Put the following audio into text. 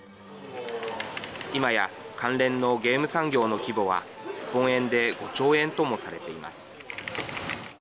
今や、関連のゲーム産業の規模は日本円で５兆円ともされています。